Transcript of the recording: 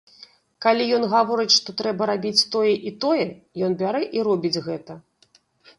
Калі ён гаворыць, што трэба рабіць тое і тое, ён бярэ і робіць гэта.